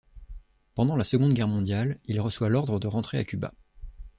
Pendant la Seconde Guerre mondiale, il reçoit l'ordre de rentrer à Cuba.